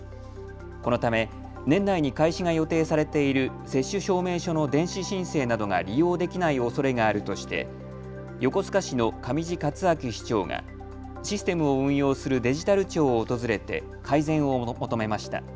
このため年内に開始が予定されている接種証明書の電子申請などが利用できないおそれがあるとして横須賀市の上地克明市長がシステムを運用するデジタル庁を訪れて改善を求めました。